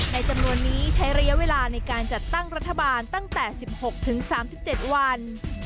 จำนวนนี้ใช้ระยะเวลาในการจัดตั้งรัฐบาลตั้งแต่๑๖๓๗วัน